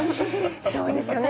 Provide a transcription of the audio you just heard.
そうですよね。